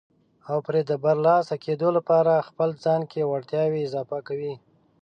او پرې د برلاسه کېدو لپاره خپل ځان کې وړتیاوې اضافه کوي.